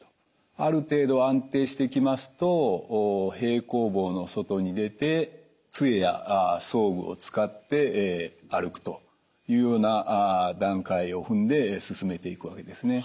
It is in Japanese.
ある程度安定してきますと平行棒の外に出てつえや装具を使って歩くというような段階を踏んで進めていくわけですね。